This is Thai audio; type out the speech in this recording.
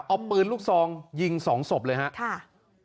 เอาปืนลูกซองยิง๒ศพเลยครับ